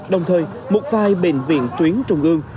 đồng thời một vài bệnh viện tuyến trung ương